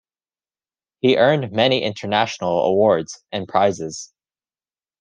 He earned many international awards and prizes.